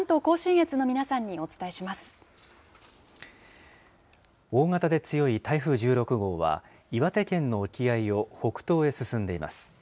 大型で強い台風１６号は、岩手県の沖合を北東へ進んでいます。